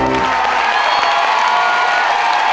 โปรดติดตามตอนต่อไป